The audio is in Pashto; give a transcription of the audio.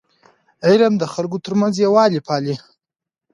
علم د خلکو ترمنځ یووالی پالي.